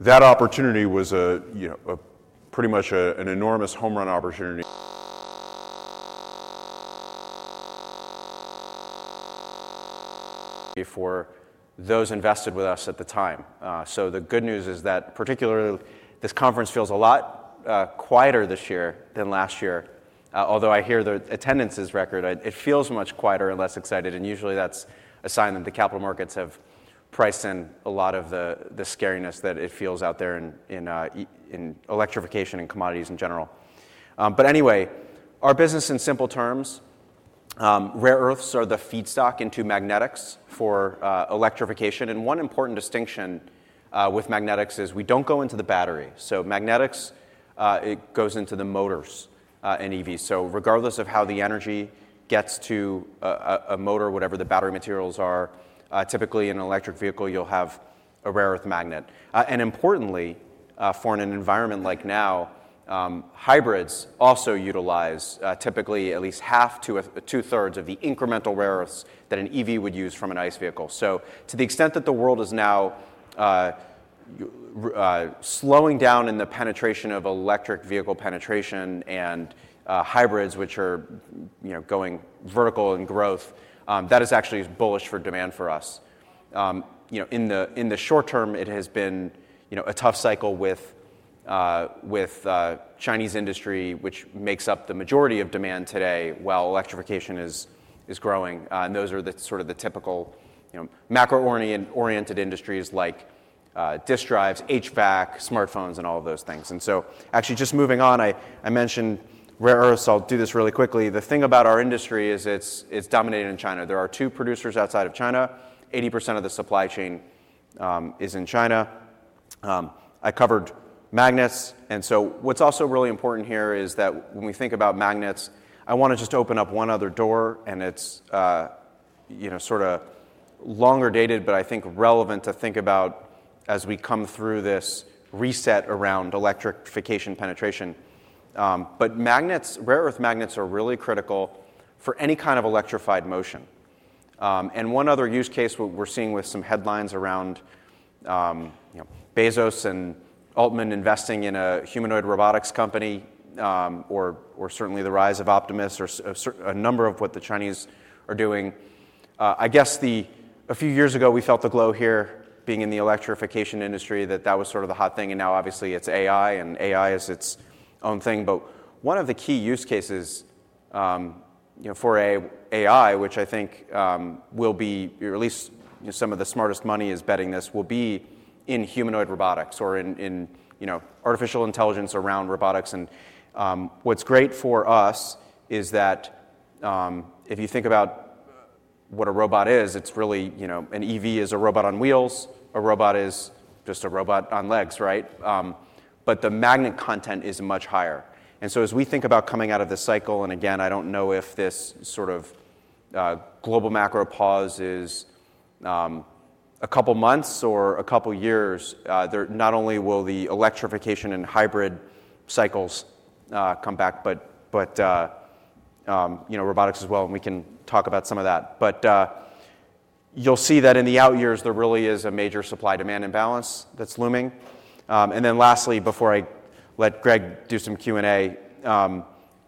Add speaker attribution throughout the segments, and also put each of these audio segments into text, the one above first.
Speaker 1: That opportunity was a, you know, a pretty much an enormous home run opportunity for those invested with us at the time. So the good news is that particularly this conference feels a lot quieter this year than last year. Although I hear the attendance is record, it feels much quieter and less excited, and usually that's a sign that the capital markets have priced in a lot of the scariness that it feels out there in electrification and commodities in general. But anyway, our business in simple terms, rare earths are the feedstock into magnetics for electrification. And one important distinction with magnetics is we don't go into the battery. So magnetics, it goes into the motors in EVs. So regardless of how the energy gets to a motor, whatever the battery materials are, typically in an electric vehicle you'll have a rare earth magnet. Importantly, for an environment like now, hybrids also utilize typically at least half to two-thirds of the incremental rare earths that an EV would use from an ICE vehicle. So to the extent that the world is now slowing down in the penetration of electric vehicle penetration and hybrids, which are, you know, going vertical in growth, that is actually bullish for demand for us. You know, in the short term it has been, you know, a tough cycle with Chinese industry, which makes up the majority of demand today while electrification is growing. And those are the sort of the typical, you know, macro-oriented industries like disk drives, HVAC, smartphones, and all of those things. And so actually just moving on, I mentioned rare earths. I'll do this really quickly. The thing about our industry is it's dominated in China. There are two producers outside of China. 80% of the supply chain is in China. I covered magnets. What's also really important here is that when we think about magnets, I want to just open up one other door and it's, you know, sort of longer dated but I think relevant to think about as we come through this reset around electrification penetration. Magnets, rare earth magnets, are really critical for any kind of electrified motion. One other use case we're seeing with some headlines around, you know, Bezos and Altman investing in a humanoid robotics company or certainly the rise of Optimus or a number of what the Chinese are doing. I guess, a few years ago we felt the glow here being in the electrification industry that that was sort of the hot thing and now obviously it's AI and AI is its own thing. But one of the key use cases, you know, for AI, which I think will be at least some of the smartest money is betting this, will be in humanoid robotics or in, you know, artificial intelligence around robotics. And what's great for us is that if you think about what a robot is, it's really, you know, an EV is a robot on wheels, a robot is just a robot on legs, right? But the magnet content is much higher. And so as we think about coming out of this cycle, and again, I don't know if this sort of global macro pause is a couple months or a couple years, not only will the electrification and hybrid cycles come back, but, you know, robotics as well. And we can talk about some of that. But you'll see that in the out years there really is a major supply-demand imbalance that's looming. And then lastly, before I let Greg do some Q&A, you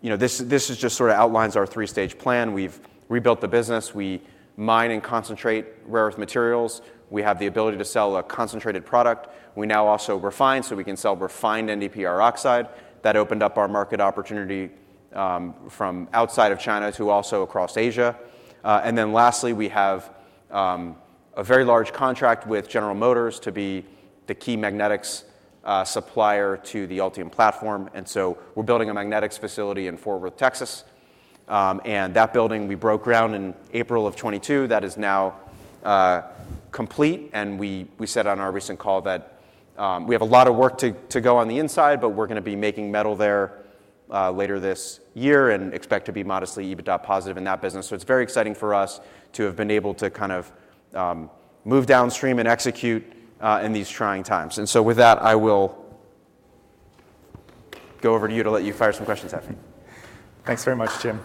Speaker 1: know, this just sort of outlines our three-stage plan. We've rebuilt the business. We mine and concentrate rare earth materials. We have the ability to sell a concentrated product. We now also refine so we can sell refined NdPr oxide. That opened up our market opportunity from outside of China to also across Asia. And then lastly we have a very large contract with General Motors to be the key magnetics supplier to the Ultium platform. And so we're building a magnetics facility in Fort Worth, Texas. And that building we broke ground in April of 2022 that is now complete. And we said on our recent call that we have a lot of work to go on the inside, but we're going to be making metal there later this year and expect to be modestly EBITDA positive in that business. So it's very exciting for us to have been able to kind of move downstream and execute in these trying times. And so with that, I will go over to you to let you fire some questions at me.
Speaker 2: Thanks very much, Jim.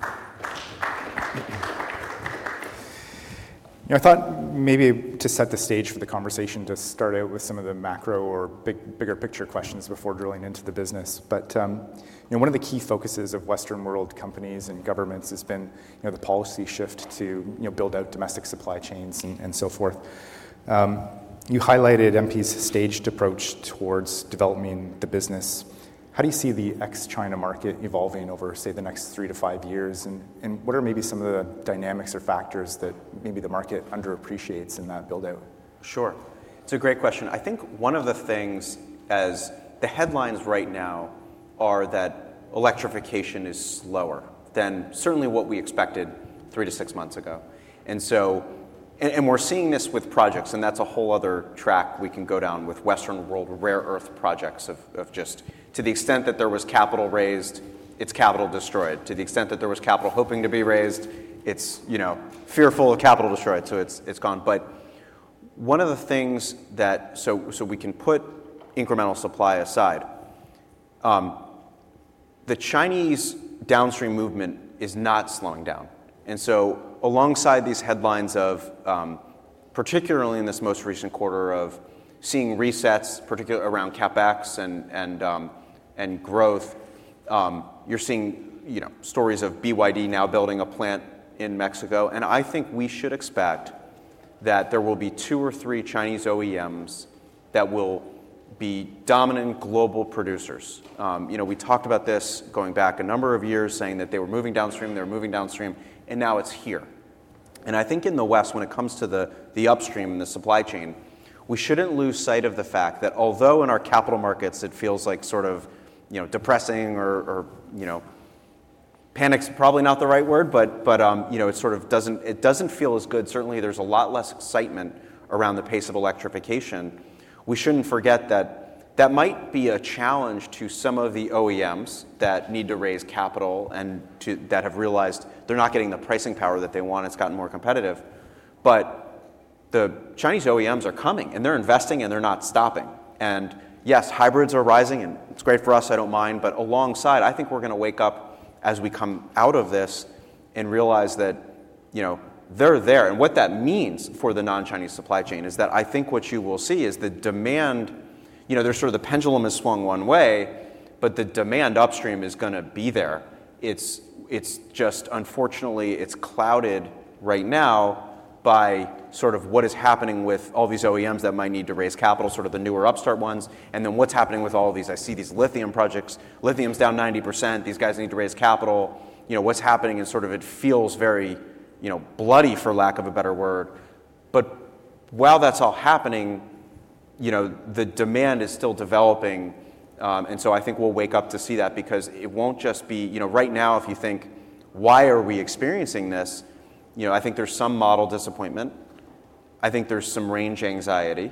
Speaker 2: You know, I thought maybe to set the stage for the conversation to start out with some of the macro or bigger picture questions before drilling into the business. But, you know, one of the key focuses of Western world companies and governments has been, you know, the policy shift to, you know, build out domestic supply chains and so forth. You highlighted MP's staged approach towards developing the business. How do you see the ex-China market evolving over, say, the next three to five years? And what are maybe some of the dynamics or factors that maybe the market underappreciates in that buildout?
Speaker 1: Sure. It's a great question. I think one of the things as the headlines right now are that electrification is slower than certainly what we expected three to six months ago. And so and we're seeing this with projects. And that's a whole other track we can go down with Western world rare earth projects of just to the extent that there was capital raised, it's capital destroyed. To the extent that there was capital hoping to be raised, it's, you know, fearful of capital destroyed. So it's gone. But one of the things that so we can put incremental supply aside, the Chinese downstream movement is not slowing down. And so alongside these headlines of particularly in this most recent quarter of seeing resets, particularly around CapEx and growth, you're seeing, you know, stories of BYD now building a plant in Mexico. I think we should expect that there will be two or three Chinese OEMs that will be dominant global producers. You know, we talked about this going back a number of years saying that they were moving downstream, they were moving downstream, and now it's here. I think in the West when it comes to the upstream and the supply chain, we shouldn't lose sight of the fact that although in our capital markets it feels like sort of, you know, depressing or, you know, panic's probably not the right word, but, you know, it sort of doesn't, it doesn't feel as good. Certainly there's a lot less excitement around the pace of electrification. We shouldn't forget that that might be a challenge to some of the OEMs that need to raise capital and that have realized they're not getting the pricing power that they want. It's gotten more competitive. But the Chinese OEMs are coming and they're investing and they're not stopping. And yes, hybrids are rising and it's great for us. I don't mind. But alongside, I think we're going to wake up as we come out of this and realize that, you know, they're there. And what that means for the non-Chinese supply chain is that I think what you will see is the demand, you know, there's sort of the pendulum has swung one way, but the demand upstream is going to be there. It's just, unfortunately, it's clouded right now by sort of what is happening with all these OEMs that might need to raise capital, sort of the newer upstart ones. And then what's happening with all of these? I see these lithium projects, lithium's down 90%. These guys need to raise capital. You know, what's happening is sort of it feels very, you know, bloody for lack of a better word. But while that's all happening, you know, the demand is still developing. And so I think we'll wake up to see that because it won't just be, you know, right now if you think, why are we experiencing this? You know, I think there's some model disappointment. I think there's some range anxiety.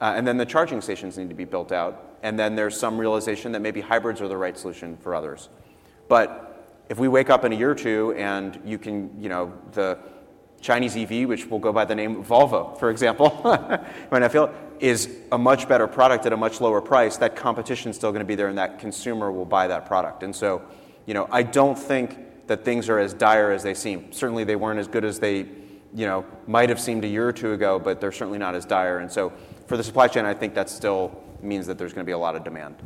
Speaker 1: And then the charging stations need to be built out. And then there's some realization that maybe hybrids are the right solution for others. But if we wake up in a year or two and you can, you know, the Chinese EV, which we'll go by the name Volvo, for example, right now feel is a much better product at a much lower price. That competition's still going to be there and that consumer will buy that product. And so, you know, I don't think that things are as dire as they seem. Certainly they weren't as good as they, you know, might have seemed a year or two ago, but they're certainly not as dire. And so for the supply chain, I think that still means that there's going to be a lot of demand.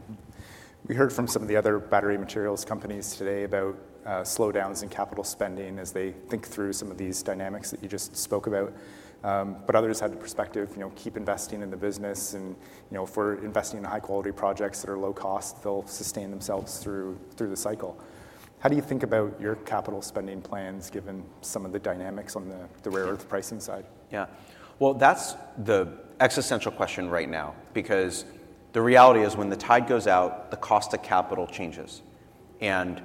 Speaker 2: We heard from some of the other battery materials companies today about slowdowns in capital spending as they think through some of these dynamics that you just spoke about. But others had the perspective, you know, keep investing in the business and, you know, if we're investing in high quality projects that are low cost, they'll sustain themselves through the cycle. How do you think about your capital spending plans given some of the dynamics on the rare earth pricing side?
Speaker 1: Yeah. Well, that's the existential question right now because the reality is when the tide goes out, the cost of capital changes. And,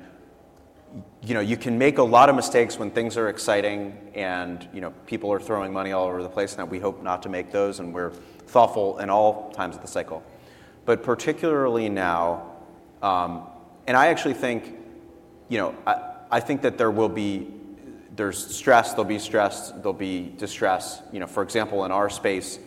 Speaker 1: you know, you can make a lot of mistakes when things are exciting and, you know, people are throwing money all over the place and that we hope not to make those. And we're thoughtful in all times of the cycle, but particularly now. And I actually think, you know, I think that there will be there's stress, there'll be stress, there'll be distress. You know, for example, in our space,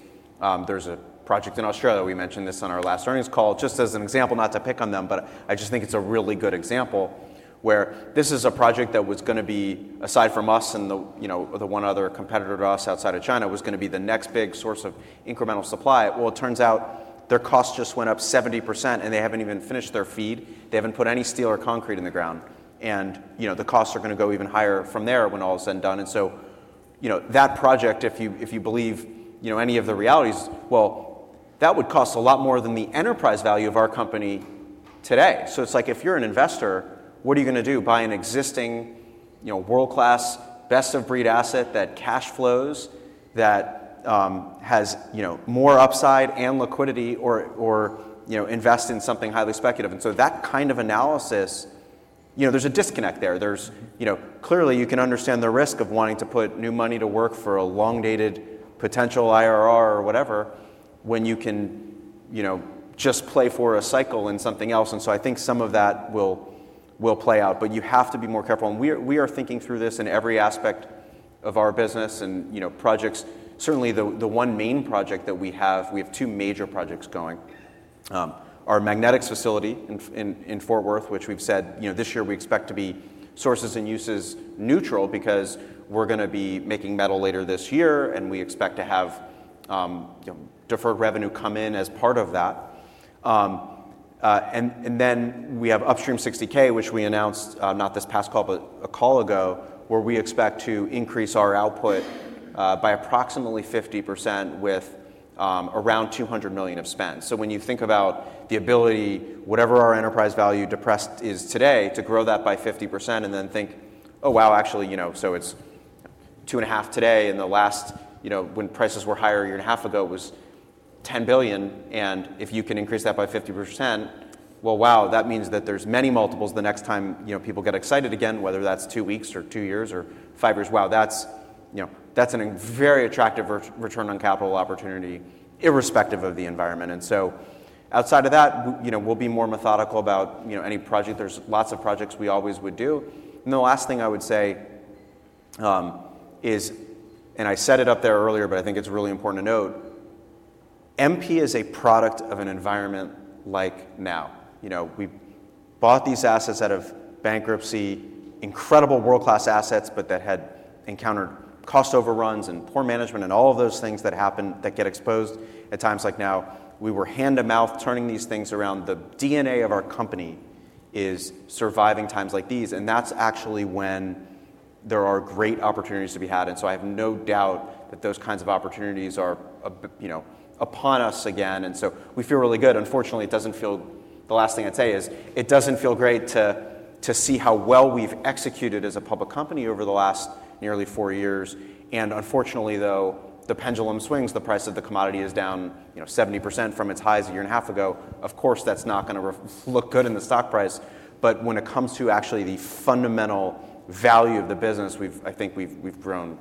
Speaker 1: there's a project in Australia. We mentioned this on our last earnings call just as an example, not to pick on them, but I just think it's a really good example where this is a project that was going to be aside from us and the, you know, the one other competitor to us outside of China was going to be the next big source of incremental supply. Well, it turns out their cost just went up 70% and they haven't even finished their FEED. They haven't put any steel or concrete in the ground. And, you know, the costs are going to go even higher from there when all is said and done. And so, you know, that project, if you believe, you know, any of the realities, well, that would cost a lot more than the enterprise value of our company today. So it's like if you're an investor, what are you going to do? Buy an existing, you know, world-class, best-of-breed asset that cash flows, that has, you know, more upside and liquidity or, you know, invest in something highly speculative. And so that kind of analysis, you know, there's a disconnect there. There's, you know, clearly you can understand the risk of wanting to put new money to work for a long-dated potential IRR or whatever when you can, you know, just play for a cycle in something else. And so I think some of that will play out, but you have to be more careful. And we are thinking through this in every aspect of our business and, you know, projects. Certainly the one main project that we have, we have two major projects going, our magnetics facility in Fort Worth, which we've said, you know, this year we expect to be sources and uses neutral because we're going to be making metal later this year and we expect to have, you know, deferred revenue come in as part of that. And then we have Upstream 60K, which we announced not this past call, but a call ago where we expect to increase our output by approximately 50% with around $200 million of spend. So when you think about the ability, whatever our enterprise value depressed is today, to grow that by 50% and then think, oh wow, actually, you know, so it's $2.5 today. And the last, you know, when prices were higher a year and a half ago it was $10 billion. And if you can increase that by 50%, well, wow, that means that there's many multiples the next time, you know, people get excited again, whether that's two weeks or two years or five years. Wow, that's, you know, that's a very attractive return on capital opportunity irrespective of the environment. And so outside of that, you know, we'll be more methodical about, you know, any project. There's lots of projects we always would do. And the last thing I would say is, and I said it up there earlier, but I think it's really important to note, MP is a product of an environment like now. You know, we bought these assets out of bankruptcy, incredible world-class assets, but that had encountered cost overruns and poor management and all of those things that happen that get exposed at times like now. We were hand to mouth turning these things around. The DNA of our company is surviving times like these. That's actually when there are great opportunities to be had. So I have no doubt that those kinds of opportunities are, you know, upon us again. So we feel really good. Unfortunately, it doesn't feel great. The last thing I'd say is it doesn't feel great to see how well we've executed as a public company over the last nearly four years. Unfortunately though, the pendulum swings, the price of the commodity is down, you know, 70% from its highs a year and a half ago. Of course, that's not going to look good in the stock price. But when it comes to actually the fundamental value of the business, I think we've grown,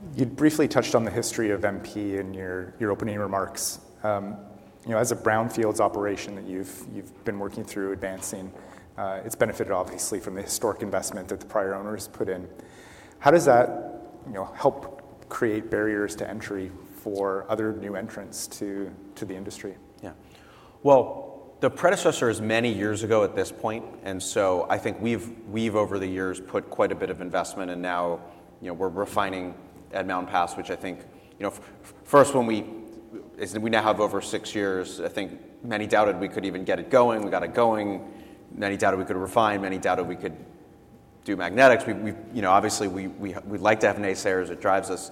Speaker 1: you know, tremendously.
Speaker 2: You'd briefly touched on the history of MP in your opening remarks. You know, as a brownfields operation that you've been working through, advancing, it's benefited obviously from the historic investment that the prior owners put in. How does that, you know, help create barriers to entry for other new entrants to the industry?
Speaker 1: Yeah. Well, the predecessor is many years ago at this point. And so I think we've over the years put quite a bit of investment and now, you know, we're refining at Mountain Pass, which I think, you know, first when we now have over six years, I think many doubted we could even get it going. We got it going. Many doubted we could refine. Many doubted we could do magnetics. We've, you know, obviously we like to have naysayers. It drives us.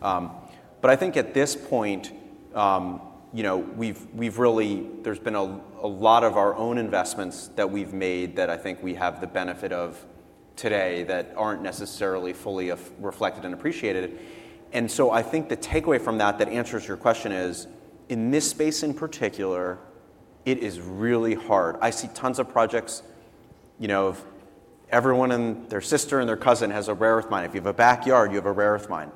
Speaker 1: But I think at this point, you know, we've really; there's been a lot of our own investments that we've made that I think we have the benefit of today that aren't necessarily fully reflected and appreciated. And so I think the takeaway from that, that answers your question is in this space in particular, it is really hard. I see tons of projects, you know, everyone and their sister and their cousin has a rare earth mine. If you have a backyard, you have a rare earth mine.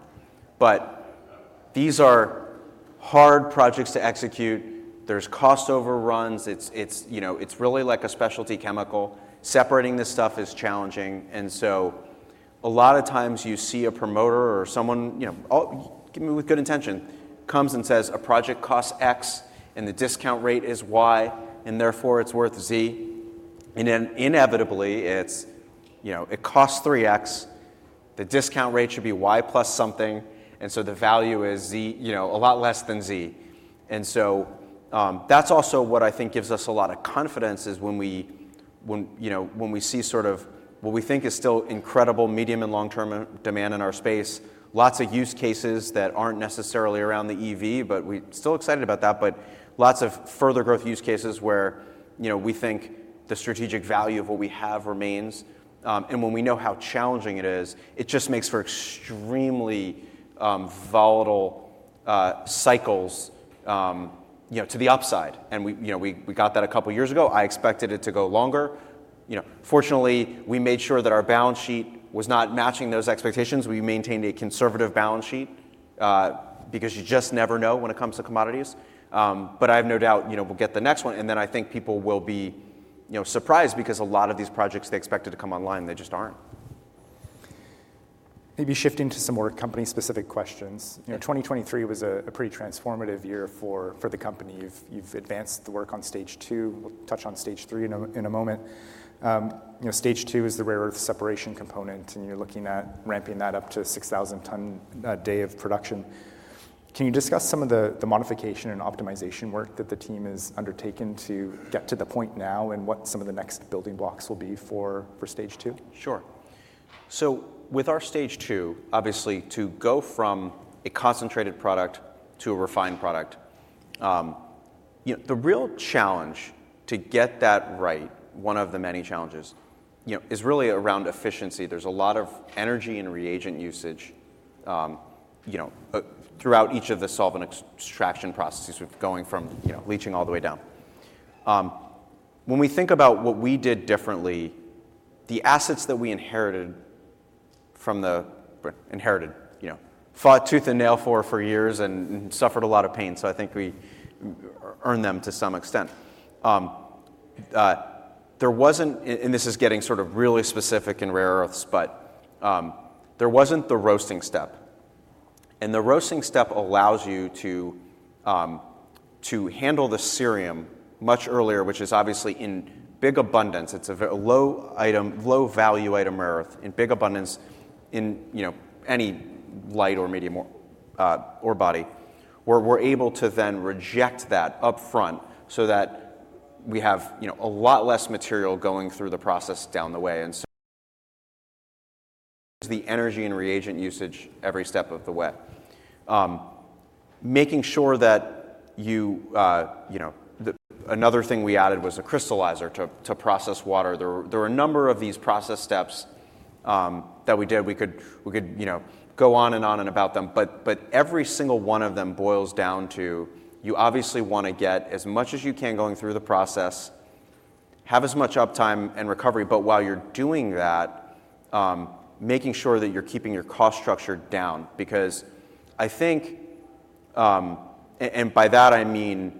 Speaker 1: But these are hard projects to execute. There's cost overruns. It's, you know, it's really like a specialty chemical. Separating this stuff is challenging. And so a lot of times you see a promoter or someone, you know, with good intention comes and says a project costs X and the discount rate is Y and therefore it's worth Z. And then inevitably it's, you know, it costs 3X. The discount rate should be Y plus something. And so the value is Z, you know, a lot less than Z. And so that's also what I think gives us a lot of confidence is when we, you know, when we see sort of what we think is still incredible medium- and long-term demand in our space, lots of use cases that aren't necessarily around the EV, but we're still excited about that. But lots of further growth use cases where, you know, we think the strategic value of what we have remains. And when we know how challenging it is, it just makes for extremely volatile cycles, you know, to the upside. And we, you know, we got that a couple of years ago. I expected it to go longer. You know, fortunately we made sure that our balance sheet was not matching those expectations. We maintained a conservative balance sheet because you just never know when it comes to commodities. I have no doubt, you know, we'll get the next one. Then I think people will be, you know, surprised because a lot of these projects they expected to come online, they just aren't.
Speaker 2: Maybe shifting to some more company-specific questions. You know, 2023 was a pretty transformative year for the company. You've advanced the work on stage two. We'll touch on stage three in a moment. You know, stage two is the rare earth separation component and you're looking at ramping that up to 6,000 tons a day of production. Can you discuss some of the modification and optimization work that the team has undertaken to get to the point now and what some of the next building blocks will be for stage two?
Speaker 1: Sure. So with our stage two, obviously to go from a concentrated product to a refined product, you know, the real challenge to get that right, one of the many challenges, you know, is really around efficiency. There's a lot of energy and reagent usage, you know, throughout each of the solvent extraction processes. We've gone from, you know, leaching all the way down. When we think about what we did differently, the assets that we inherited, you know, fought tooth and nail for years and suffered a lot of pain. So I think we earned them to some extent. There wasn't, and this is getting sort of really specific in rare earths, but there wasn't the roasting step. And the roasting step allows you to handle the cerium much earlier, which is obviously in big abundance. It's a low item, low value item rare earth in big abundance in, you know, any light or medium ore body where we're able to then reject that upfront so that we have, you know, a lot less material going through the process down the way. And so the energy and reagent usage every step of the way. Making sure that you, you know, another thing we added was a crystallizer to process water. There were a number of these process steps that we did. We could, you know, go on and on and about them. But every single one of them boils down to you obviously want to get as much as you can going through the process, have as much uptime and recovery. But while you're doing that, making sure that you're keeping your cost structure down because I think, and by that I mean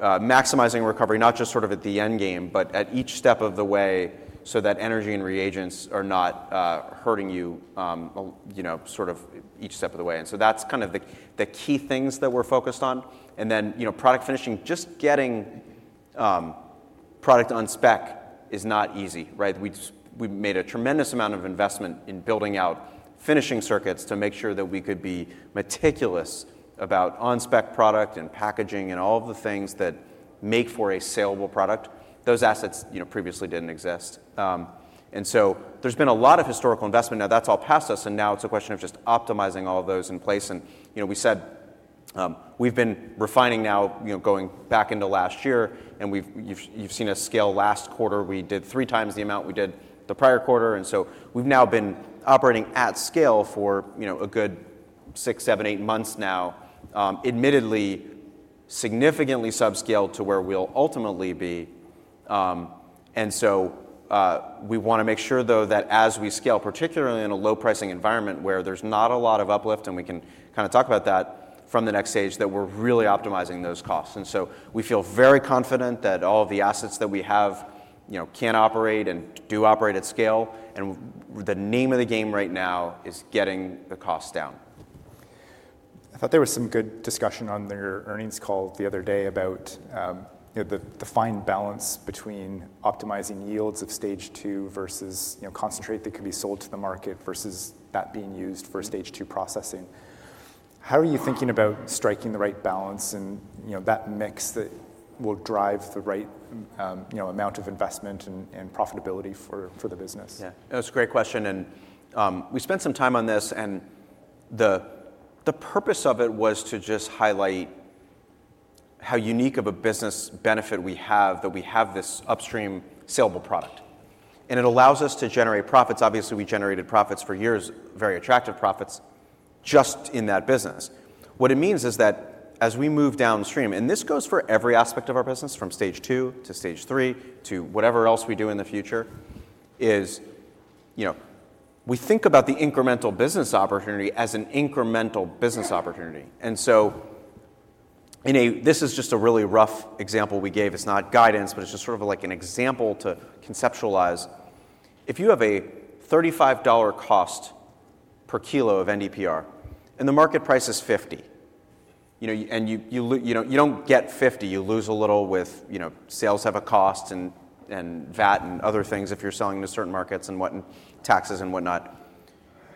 Speaker 1: maximizing recovery, not just sort of at the end game, but at each step of the way so that energy and reagents are not hurting you, you know, sort of each step of the way. And so that's kind of the key things that we're focused on. And then, you know, product finishing, just getting product on spec is not easy, right? We made a tremendous amount of investment in building out finishing circuits to make sure that we could be meticulous about on spec product and packaging and all of the things that make for a salable product. Those assets, you know, previously didn't exist. And so there's been a lot of historical investment. Now that's all past us. And now it's a question of just optimizing all of those in place. And, you know, we said we've been refining now, you know, going back into last year and you've seen us scale last quarter. We did three times the amount we did the prior quarter. And so we've now been operating at scale for, you know, a good six, seven, eight months now, admittedly significantly subscaled to where we'll ultimately be. And so we want to make sure though that as we scale, particularly in a low pricing environment where there's not a lot of uplift and we can kind of talk about that from the next stage, that we're really optimizing those costs. And so we feel very confident that all of the assets that we have, you know, can operate and do operate at scale. The name of the game right now is getting the costs down.
Speaker 2: I thought there was some good discussion on your earnings call the other day about, you know, the fine balance between optimizing yields of stage two versus, you know, concentrate that could be sold to the market versus that being used for stage two processing. How are you thinking about striking the right balance and, you know, that mix that will drive the right, you know, amount of investment and profitability for the business?
Speaker 1: Yeah, that's a great question. And we spent some time on this and the purpose of it was to just highlight how unique of a business benefit we have that we have this upstream saleable product and it allows us to generate profits. Obviously we generated profits for years, very attractive profits just in that business. What it means is that as we move downstream, and this goes for every aspect of our business from stage two to stage three to whatever else we do in the future is, you know, we think about the incremental business opportunity as an incremental business opportunity. And so this is just a really rough example we gave. It's not guidance, but it's just sort of like an example to conceptualize. If you have a $35 cost per kilo of NdPr and the market price is 50, you know, and you don't get 50, you lose a little with, you know, sales have a cost and VAT and other things if you're selling to certain markets and what and taxes and whatnot.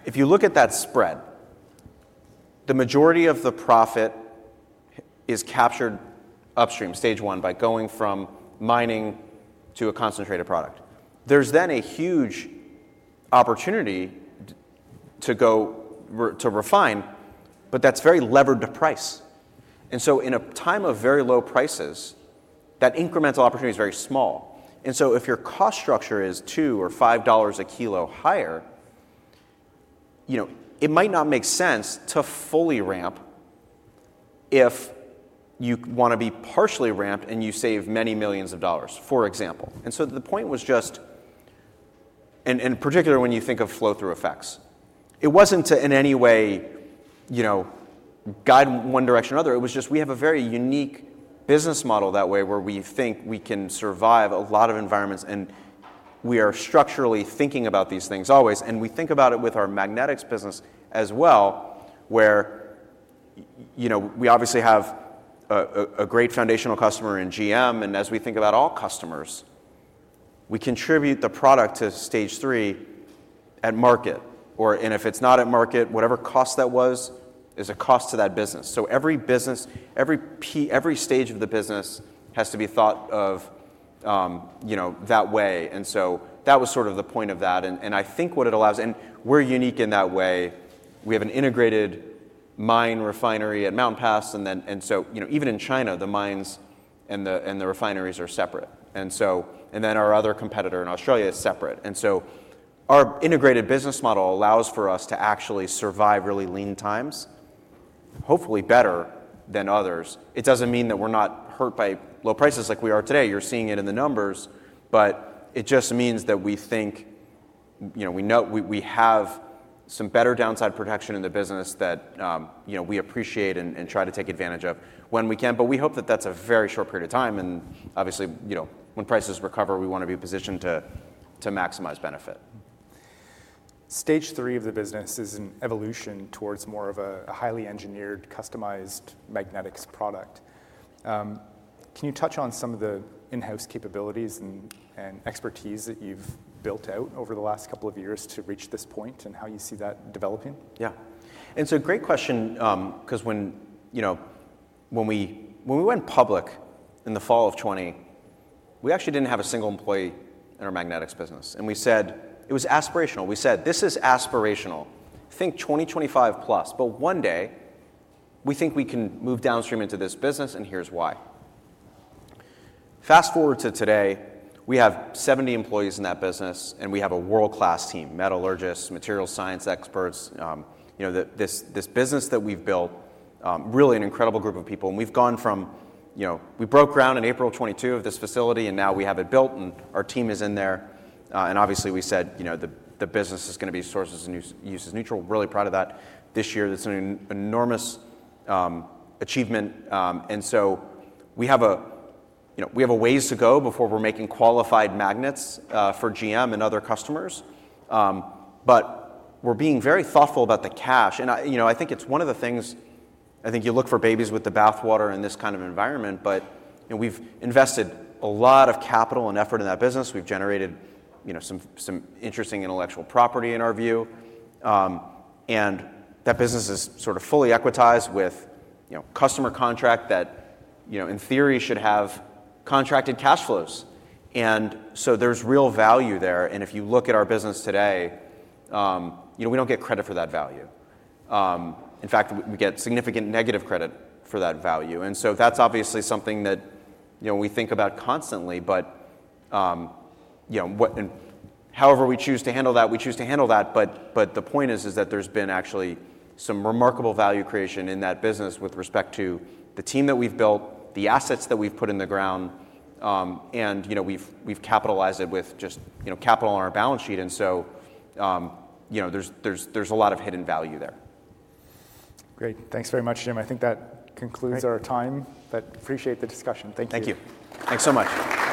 Speaker 1: If you look at that spread, the majority of the profit is captured upstream stage one by going from mining to a concentrated product. There's then a huge opportunity to go to refine, but that's very levered to price. And so in a time of very low prices, that incremental opportunity is very small. And so if your cost structure is $2 or $5 a kilo higher, you know, it might not make sense to fully ramp if you want to be partially ramped and you save many millions of dollars, for example. And so the point was just, and in particular when you think of flow through effects, it wasn't in any way, you know, guide one direction or another. It was just we have a very unique business model that way where we think we can survive a lot of environments and we are structurally thinking about these things always. And we think about it with our magnetics business as well where, you know, we obviously have a great foundational customer in GM. And as we think about all customers, we contribute the product to stage three at market or if it's not at market, whatever cost that was is a cost to that business. So every business, every stage of the business has to be thought of, you know, that way. And so that was sort of the point of that. And I think what it allows, and we're unique in that way. We have an integrated mine refinery at Mountain Pass. And then, and so, you know, even in China, the mines and the refineries are separate. And so, and then our other competitor in Australia is separate. And so our integrated business model allows for us to actually survive really lean times, hopefully better than others. It doesn't mean that we're not hurt by low prices like we are today. You're seeing it in the numbers, but it just means that we think, you know, we know we have some better downside protection in the business that, you know, we appreciate and try to take advantage of when we can. But we hope that that's a very short period of time. And obviously, you know, when prices recover, we want to be positioned to maximize benefit.
Speaker 2: Stage three of the business is an evolution towards more of a highly engineered, customized magnetics product. Can you touch on some of the in-house capabilities and expertise that you've built out over the last couple of years to reach this point and how you see that developing?
Speaker 1: Yeah. And so great question. Because when, you know, when we went public in the fall of 2020, we actually didn't have a single employee in our magnetics business. And we said it was aspirational. We said this is aspirational. Think 2025+. But one day we think we can move downstream into this business. And here's why. Fast forward to today, we have 70 employees in that business and we have a world-class team, metallurgists, materials science experts, you know, this business that we've built, really an incredible group of people. And we've gone from, you know, we broke ground in April of 2022 of this facility and now we have it built and our team is in there. And obviously we said, you know, the business is going to be sources and uses neutral. Really proud of that this year. That's an enormous achievement. So we have a—you know—we have a ways to go before we're making qualified magnets for GM and other customers. But we're being very thoughtful about the cash. You know, I think it's one of the things. I think you look for babies with the bathwater in this kind of environment, but you know, we've invested a lot of capital and effort in that business. We've generated—you know—some interesting intellectual property in our view. And that business is sort of fully equitized with—you know—customer contract that—you know—in theory should have contracted cash flows. And so there's real value there. And if you look at our business today, you know, we don't get credit for that value. In fact, we get significant negative credit for that value. And so that's obviously something that—you know—we think about constantly. But, you know, however we choose to handle that, we choose to handle that. But the point is, is that there's been actually some remarkable value creation in that business with respect to the team that we've built, the assets that we've put in the ground, and, you know, we've capitalized it with just, you know, capital on our balance sheet. And so, you know, there's a lot of hidden value there.
Speaker 2: Great. Thanks very much, Jim. I think that concludes our time, but appreciate the discussion. Thank you.
Speaker 1: Thank you. Thanks so much.